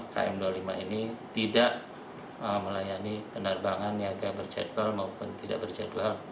km dua puluh lima ini tidak melayani penerbangan niaga berjadwal maupun tidak berjadwal